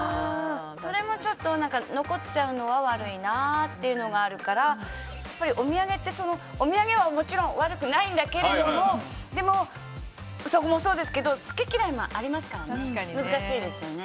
それもちょっと、残っちゃうのは悪いなというのがあるからお土産って、お土産はもちろん悪くないんだけどでも、好き嫌いもありますから難しいですよね。